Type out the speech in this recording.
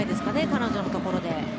彼女のところで。